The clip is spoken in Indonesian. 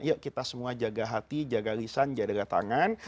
yuk kita semua jaga hati jaga lisan jaga tangan